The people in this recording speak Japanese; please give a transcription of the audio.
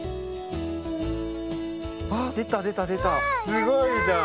すごいじゃん。